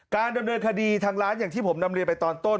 การดำเนินคดีทางร้านอย่างที่ผมนำเรียนไปตอนต้น